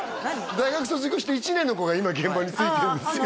大学卒業して１年の子が今現場についてるんですよ